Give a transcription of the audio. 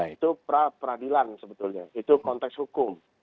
itu pra peradilan sebetulnya itu konteks hukum